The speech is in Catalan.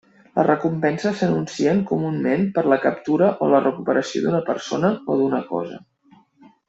Les recompenses s'anuncien comunament per la captura o la recuperació d'una persona o d'una cosa.